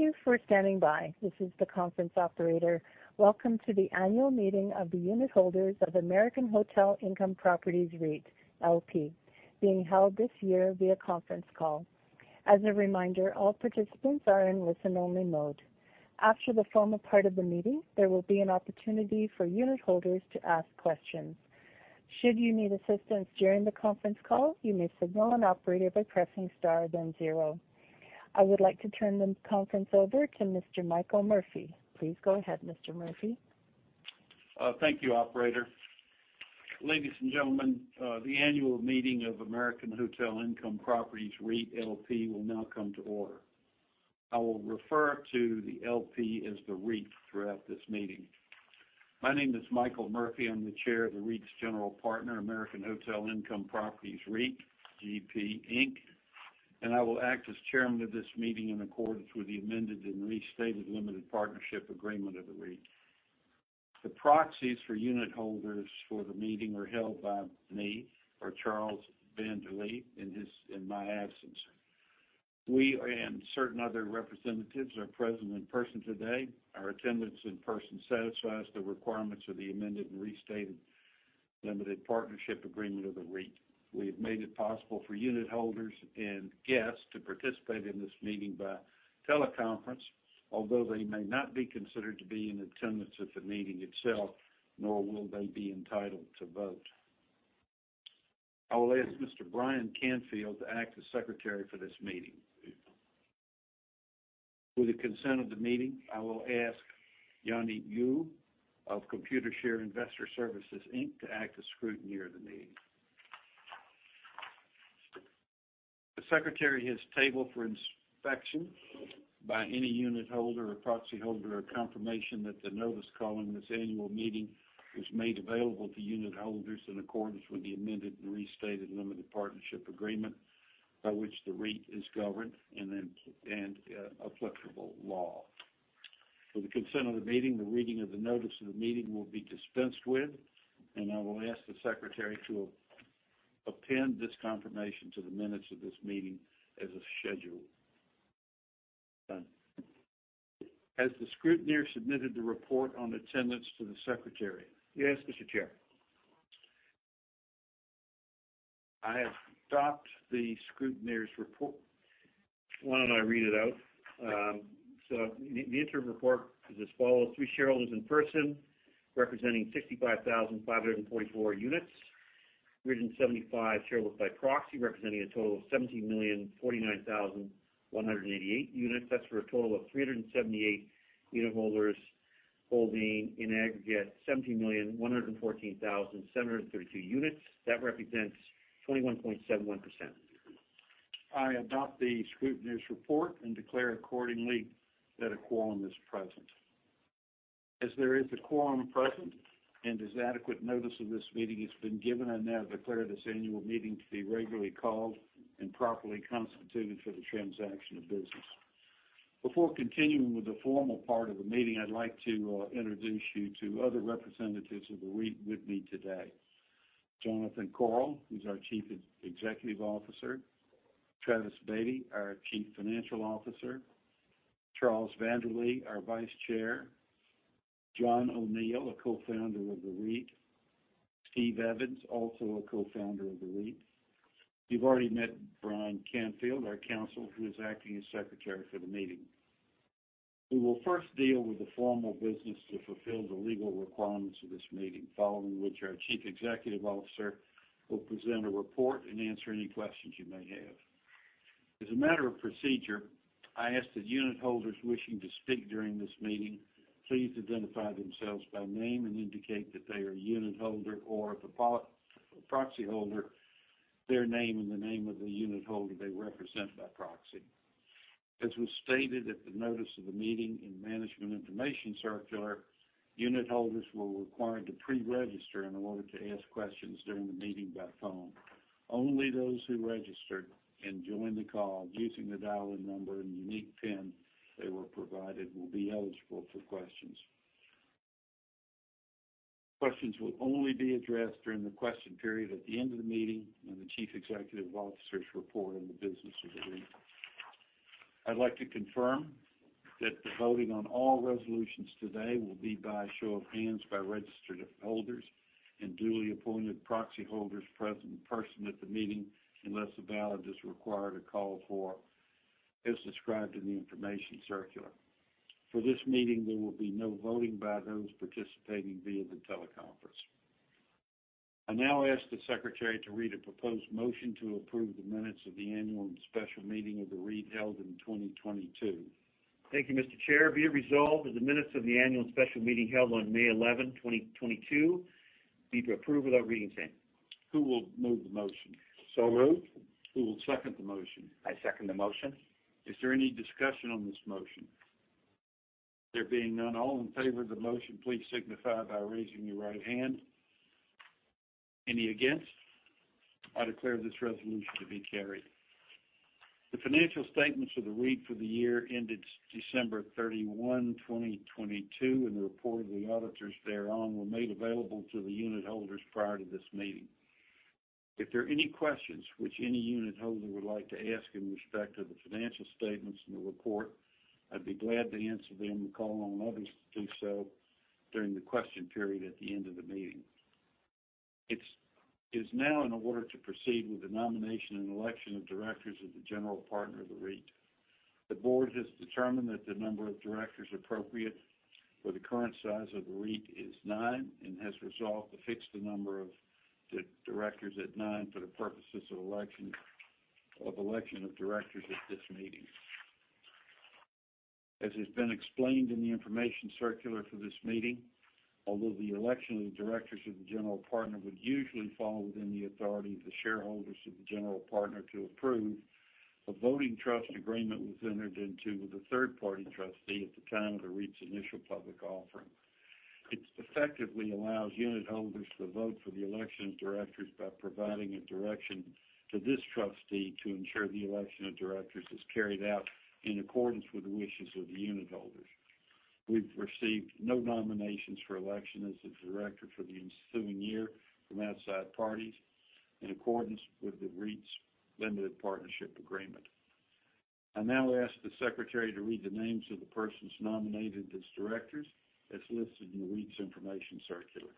Thank you for standing by. This is the conference operator. Welcome to the annual meeting of the unitholders of American Hotel Income Properties REIT LP, being held this year via conference call. As a reminder, all participants are in listen-only mode. After the formal part of the meeting, there will be an opportunity for unitholders to ask questions. Should you need assistance during the conference call, you may signal an operator by pressing star, then zero. I would like to turn the conference over to Mr. Michael Murphy. Please go ahead, Mr. Murphy. Thank you, operator. Ladies and gentlemen, the annual meeting of American Hotel Income Properties REIT LP will now come to order. I will refer to the LP as the REIT throughout this meeting. My name is Michael Murphy. I'm the chair of the REIT's general partner, American Hotel Income Properties REIT GP Inc, and I will act as chairman of this meeting in accordance with the amended and restated limited partnership agreement of the REIT. The proxies for unitholders for the meeting are held by me or Charles van der Lee, in my absence. We and certain other representatives are present in person today. Our attendance in person satisfies the requirements of the amended and restated limited partnership agreement of the REIT. We have made it possible for unitholders and guests to participate in this meeting by teleconference, although they may not be considered to be in attendance at the meeting itself, nor will they be entitled to vote. I will ask Mr. Brian Canfield to act as secretary for this meeting. With the consent of the meeting, I will ask Yaniv Guez of Computershare Investor Services Inc. to act as scrutineer of the meeting. The secretary has tabled for inspection by any unitholder or proxyholder, a confirmation that the notice calling this annual meeting was made available to unitholders in accordance with the amended and restated limited partnership agreement by which the REIT is governed and then, and applicable law. With the consent of the meeting, the reading of the notice of the meeting will be dispensed with, and I will ask the secretary to append this confirmation to the minutes of this meeting as a schedule. Done. Has the scrutineer submitted the report on attendance to the secretary? Yes, Mr. Chair. I have adopt the scrutineer's report. Why don't I read it out? The interim report is as follows: three shareholders in person, representing 65,544 units. 375 shareholders by proxy, representing a total of 17,049,188 units. That's for a total of 378 unitholders, holding in aggregate 17,114,732 units. That represents 21.71%. I adopt the scrutineer's report and declare accordingly that a quorum is present. As there is a quorum present and as adequate notice of this meeting has been given, I now declare this annual meeting to be regularly called and properly constituted for the transaction of business. Before continuing with the formal part of the meeting, I'd like to introduce you to other representatives of the REIT with me today. Jonathan Korol, who's our Chief Executive Officer, Travis Beatty, our Chief Financial Officer, Charles van der Lee, our Vice Chair, John O'Neill, a co-founder of the REIT, Stephen Evans, also a co-founder of the REIT. You've already met Brian Canfield, our counsel, who is acting as secretary for the meeting. We will first deal with the formal business to fulfill the legal requirements of this meeting, following which our Chief Executive Officer will present a report and answer any questions you may have. As a matter of procedure, I ask that unitholders wishing to speak during this meeting please identify themselves by name and indicate that they are a unitholder or if a proxyholder, their name and the name of the unitholder they represent by proxy. As was stated at the notice of the meeting in Management Information Circular, unitholders were required to pre-register in order to ask questions during the meeting by phone. Only those who registered and joined the call using the dial-in number and unique pin they were provided, will be eligible for questions. Questions will only be addressed during the question period at the end of the meeting when the chief executive officer's report on the business of the REIT. I'd like to confirm that the voting on all resolutions today will be by show of hands by registered holders and duly appointed proxy holders present in person at the meeting, unless a ballot is required or called for, as described in the information circular. For this meeting, there will be no voting by those participating via the teleconference. I now ask the secretary to read a proposed motion to approve the minutes of the annual and special meeting of the REIT held in 2022. Thank you, Mr. Chair. Be it resolved that the minutes of the annual and special meeting held on May 11, 2022, be to approved without reading the same. Who will move the motion? Moved. Who will second the motion? I second the motion. Is there any discussion on this motion? There being none, all in favor of the motion, please signify by raising your right hand. Any against? I declare this resolution to be carried. The financial statements of the REIT for the year ended December 31, 2022, and the report of the auditors thereon, were made available to the unitholders prior to this meeting. If there are any questions which any unitholder would like to ask in respect of the financial statements in the report, I'd be glad to answer them and call on others to do so during the question period at the end of the meeting. It is now in order to proceed with the nomination and election of directors of the general partner of the REIT. The board has determined that the number of directors appropriate for the current size of the REIT is nine, has resolved to fix the number of directors at nine for the purposes of election of directors at this meeting. As has been explained in the information circular for this meeting, although the election of the directors of the general partner would usually fall within the authority of the shareholders of the general partner to approve, a voting trust agreement was entered into with a third-party trustee at the time of the REIT's initial public offering. It effectively allows unitholders to vote for the election of directors by providing a direction to this trustee to ensure the election of directors is carried out in accordance with the wishes of the unitholders. We've received no nominations for election as a director for the ensuing year from outside parties, in accordance with the REIT's limited partnership agreement. I now ask the secretary to read the names of the persons nominated as directors, as listed in the REIT's information circular.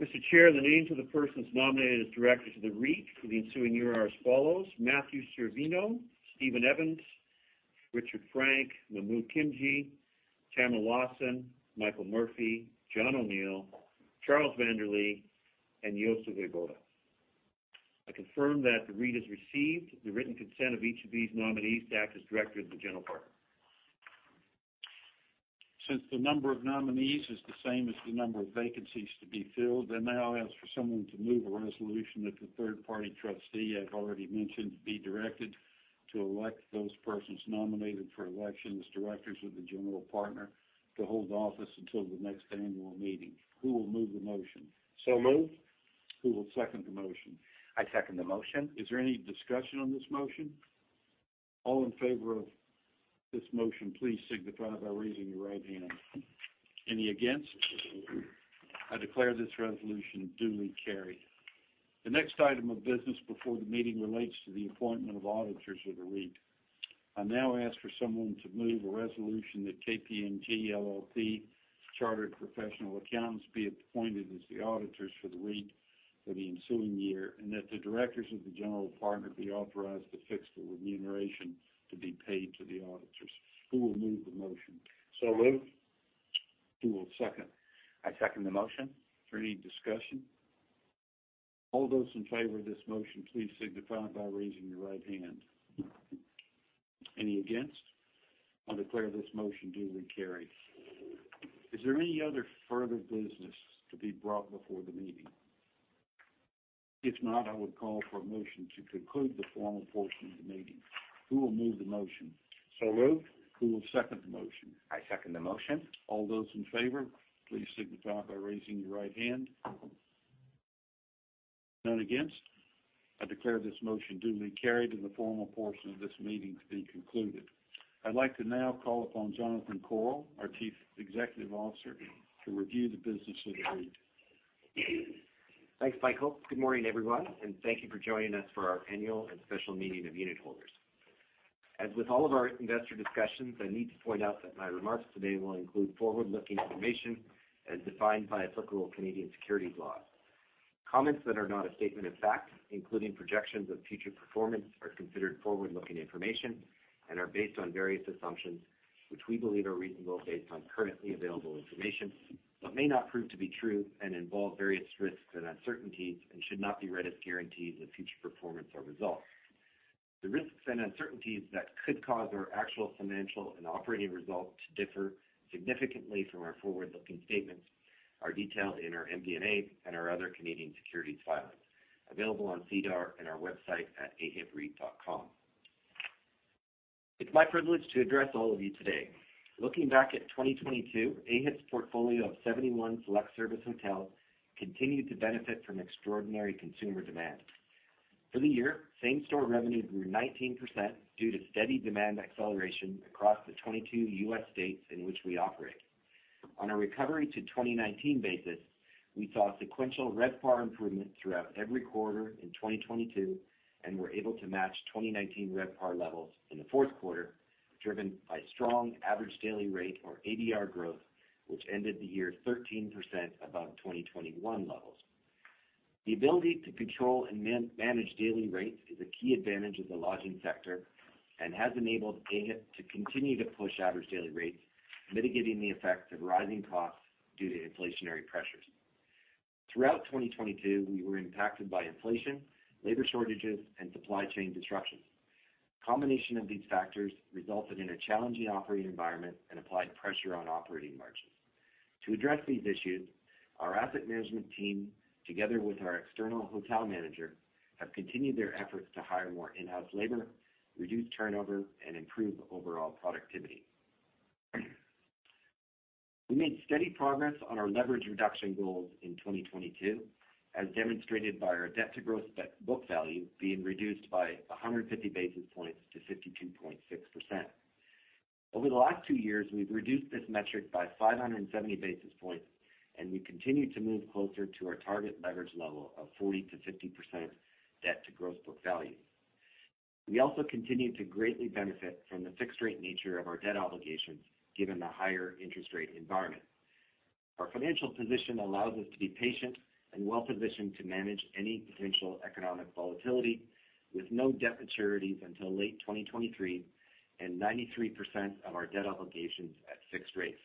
Mr. Chair, the names of the persons nominated as directors of the REIT for the ensuing year are as follows: Matthew Cervino, Stephen Evans, Richard Frank, Mahmood Khimji, Tamara Lawson, Michael Murphy, John O'Neill, Charles van der Lee, and Josef Vejvoda. I confirm that the REIT has received the written consent of each of these nominees to act as director of the general partner. Since the number of nominees is the same as the number of vacancies to be filled, I now ask for someone to move a resolution that the third-party trustee I've already mentioned, be directed to elect those persons nominated for election as directors of the general partner, to hold office until the next annual meeting. Who will move the motion? Moved. Who will second the motion? I second the motion. Is there any discussion on this motion? All in favor of this motion, please signify by raising your right hand. Any against? I declare this resolution duly carried. The next item of business before the meeting relates to the appointment of auditors of the REIT. I now ask for someone to move a resolution that KPMG LLP, Chartered Professional Accountants, be appointed as the auditors for the REIT for the ensuing year, and that the directors of the general partner be authorized to fix the remuneration to be paid to the auditors. Who will move the motion? Moved. Who will second? I second the motion. Is there any discussion? All those in favor of this motion, please signify by raising your right hand. Any against? I'll declare this motion duly carried. Is there any other further business to be brought before the meeting? If not, I would call for a motion to conclude the formal portion of the meeting. Who will move the motion? Moved. Who will second the motion? I second the motion. All those in favor, please signify by raising your right hand. None against? I declare this motion duly carried, and the formal portion of this meeting to be concluded. I'd like to now call upon Jonathan Korol, our Chief Executive Officer, to review the business of the REIT. Thanks, Michael. Good morning, everyone, and thank you for joining us for our annual and special meeting of unitholders. As with all of our investor discussions, I need to point out that my remarks today will include forward-looking information as defined by applicable Canadian securities laws. Comments that are not a statement of fact, including projections of future performance, are considered forward-looking information and are based on various assumptions, which we believe are reasonable based on currently available information, but may not prove to be true and involve various risks and uncertainties, and should not be read as guarantees of future performance or results. The risks and uncertainties that could cause our actual financial and operating results to differ significantly from our forward-looking statements are detailed in our MD&A and our other Canadian securities filings, available on SEDAR and our website at ahipreit.com. It's my privilege to address all of you today. Looking back at 2022, AHIP's portfolio of 71 select service hotels continued to benefit from extraordinary consumer demand. For the year, same-store revenue grew 19% due to steady demand acceleration across the 22 U.S. states in which we operate. On a recovery to 2019 basis, we saw sequential RevPAR improvement throughout every quarter in 2022, and were able to match 2019 RevPAR levels in the fourth quarter, driven by strong average daily rate or ADR growth, which ended the year 13% above 2021 levels. The ability to control and manage daily rates is a key advantage of the lodging sector and has enabled AHIP to continue to push average daily rates, mitigating the effects of rising costs due to inflationary pressures. Throughout 2022, we were impacted by inflation, labor shortages, and supply chain disruptions. Combination of these factors resulted in a challenging operating environment and applied pressure on operating margins. To address these issues, our asset management team, together with our external hotel manager, have continued their efforts to hire more in-house labor, reduce turnover, and improve overall productivity. We made steady progress on our leverage reduction goals in 2022, as demonstrated by our debt to gross book value being reduced by 150 basis points to 52.6%. Over the last two years, we've reduced this metric by 570 basis points, and we continue to move closer to our target leverage level of 40%-50% debt to gross book value. We also continue to greatly benefit from the fixed rate nature of our debt obligations, given the higher interest rate environment. Our financial position allows us to be patient and well-positioned to manage any potential economic volatility, with no debt maturities until late 2023, and 93% of our debt obligations at fixed rates.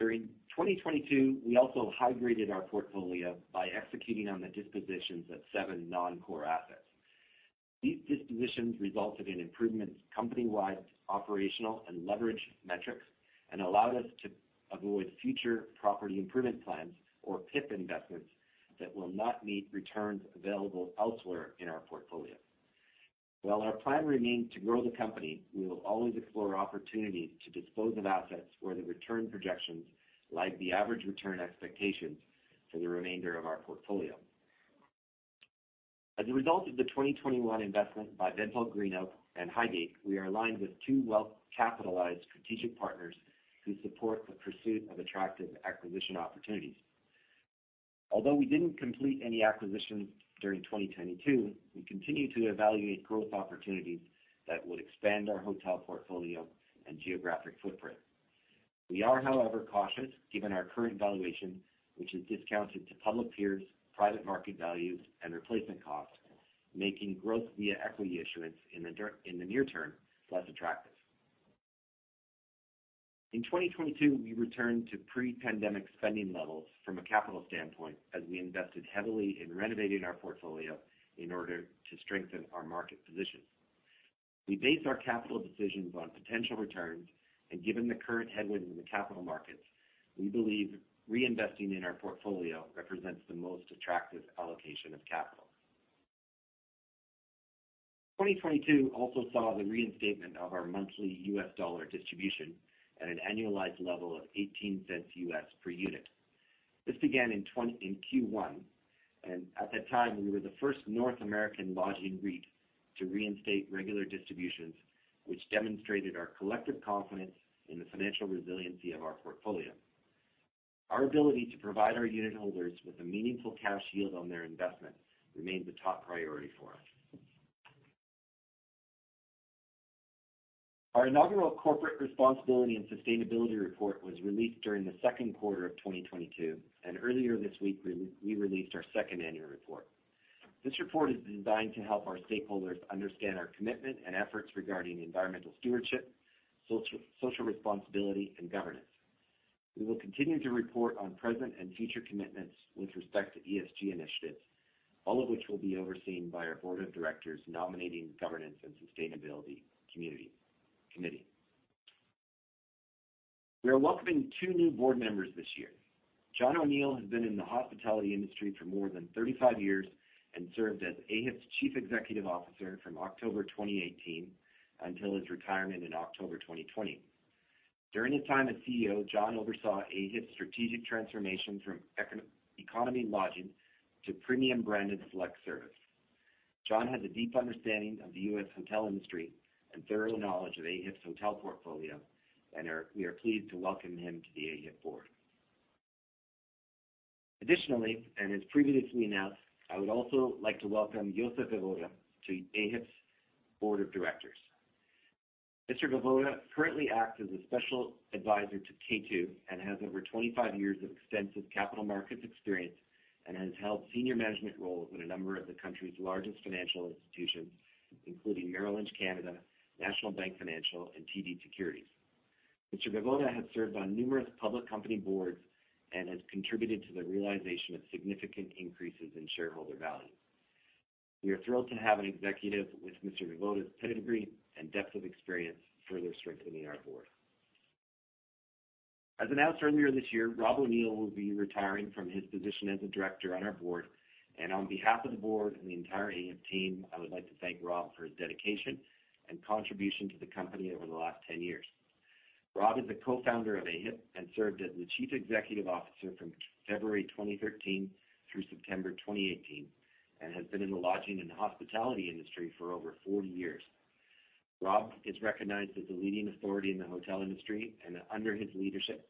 During 2022, we also high-graded our portfolio by executing on the dispositions of seven non-core assets. These dispositions resulted in improvements company-wide operational and leverage metrics, and allowed us to avoid future property improvement plans or PIP investments that will not meet returns available elsewhere in our portfolio. While our plan remains to grow the company, we will always explore opportunities to dispose of assets where the return projections lag the average return expectations for the remainder of our portfolio. As a result of the 2021 investment by BentallGreenOak and Highgate, we are aligned with two well-capitalized strategic partners who support the pursuit of attractive acquisition opportunities. We didn't complete any acquisitions during 2022, we continue to evaluate growth opportunities that would expand our hotel portfolio and geographic footprint. We are, however, cautious, given our current valuation, which is discounted to public peers, private market values, and replacement costs, making growth via equity issuance in the near term, less attractive. In 2022, we returned to pre-pandemic spending levels from a capital standpoint, as we invested heavily in renovating our portfolio in order to strengthen our market position. We base our capital decisions on potential returns, given the current headwinds in the capital markets, we believe reinvesting in our portfolio represents the most attractive allocation of capital. 2022 also saw the reinstatement of our monthly U.S. dollar distribution at an annualized level of $0.18 per unit. This began In Q1, and at that time, we were the first North American lodging REIT to reinstate regular distributions, which demonstrated our collective confidence in the financial resiliency of our portfolio. Our ability to provide our unitholders with a meaningful cash yield on their investment remains a top priority for us. Our inaugural Corporate Responsibility and Sustainability Report was released during the second quarter of 2022, and earlier this week, we released our second annual report. This report has been designed to help our stakeholders understand our commitment and efforts regarding environmental stewardship, social responsibility, and governance. We will continue to report on present and future commitments with respect to ESG initiatives, all of which will be overseen by our Board of Directors, Nominating Governance and Sustainability Committee. We are welcoming two new board members this year. John O'Neill has been in the hospitality industry for more than 35 years and served as AHIP's Chief Executive Officer from October 2018 until his retirement in October 2020. During his time as CEO, John oversaw AHIP's strategic transformation from economy lodging to premium-branded select service. John has a deep understanding of the U.S. hotel industry and thorough knowledge of AHIP's hotel portfolio, we are pleased to welcome him to the AHIP Board. As previously announced, I would also like to welcome Josef Vejvoda to AHIP's Board of Directors. Mr. Vejvoda currently acts as a special advisor to K2 and has over 25 years of extensive capital markets experience and has held senior management roles in a number of the country's largest financial institutions, including Merrill Lynch Canada, National Bank Financial, and TD Securities. Mr. Vejvoda has served on numerous public company boards and has contributed to the realization of significant increases in shareholder value. We are thrilled to have an executive with Mr. Vejvoda's pedigree and depth of experience further strengthening our board. As announced earlier this year, Rob O'Neill will be retiring from his position as a director on our board, and on behalf of the board and the entire AHIP team, I would like to thank Rob for his dedication and contribution to the company over the last 10 years. Rob is the co-founder of AHIP and served as the Chief Executive Officer from February 2013 through September 2018, and has been in the lodging and hospitality industry for over 40 years. Rob is recognized as the leading authority in the hotel industry, and under his leadership,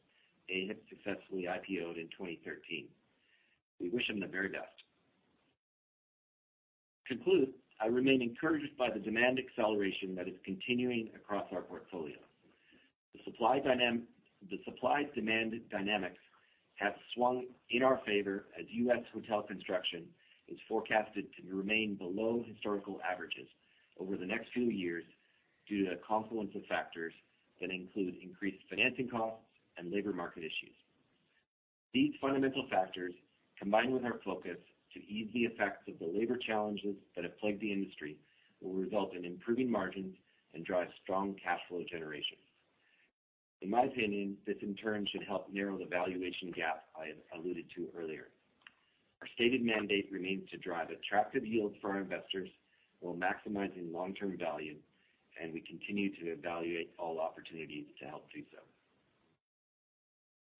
AHIP successfully IPO'd in 2013. We wish him the very best. To conclude, I remain encouraged by the demand acceleration that is continuing across our portfolio. The supply-demand dynamics have swung in our favor as US hotel construction is forecasted to remain below historical averages over the next few years due to a confluence of factors that include increased financing costs and labor market issues. These fundamental factors, combined with our focus to ease the effects of the labor challenges that have plagued the industry, will result in improving margins and drive strong cash flow generation. In my opinion, this, in turn, should help narrow the valuation gap I alluded to earlier. Our stated mandate remains to drive attractive yields for our investors while maximizing long-term value. We continue to evaluate all opportunities to help do so.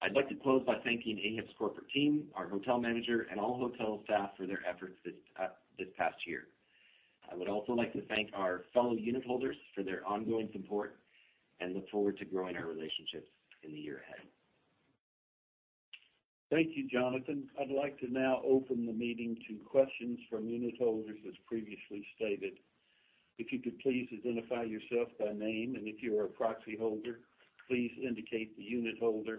I'd like to close by thanking AHIP's corporate team, our hotel manager, and all hotel staff for their efforts this past year. I would also like to thank our fellow unitholders for their ongoing support. Look forward to growing our relationships in the year ahead. Thank you, Jonathan. I'd like to now open the meeting to questions from unitholders, as previously stated. If you could please identify yourself by name, and if you are a proxyholder, please indicate the unitholder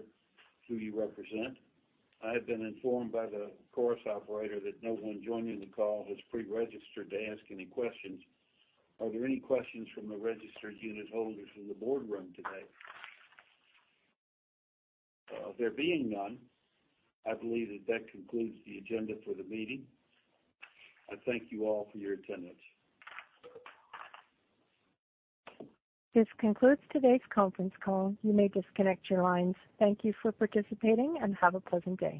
who you represent. I have been informed by the chorus operator that no one joining the call has pre-registered to ask any questions. Are there any questions from the registered unitholders in the boardroom today? There being none, I believe that that concludes the agenda for the meeting. I thank you all for your attendance. This concludes today's conference call. You may disconnect your lines. Thank you for participating, and have a pleasant day.